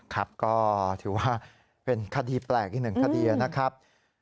ครับก็ถือว่าเป็นคดีแปลกอีกหนึ่งคดีนะครับ